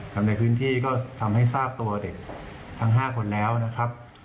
ในพื้นที่ก็ทำให้ทราบตัวเด็กทั้ง๕คนแล้วนะครับ